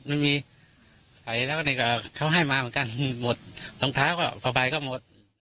มันมีไฟแล้วก็เขาให้มาเหมือนกันหมดรองเท้าก็พอไปก็หมด